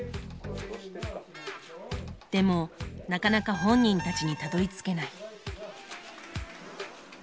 でもなかなか本人たちにたどりつけない。